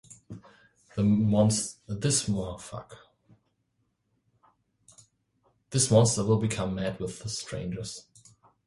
This monster will become mad with the strangers.